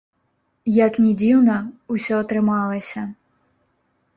Як ні дзіўна, усё атрымалася.